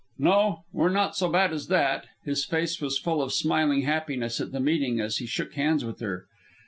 "No. We're not so bad as that." His face was full of smiling happiness at the meeting as he shook hands with her.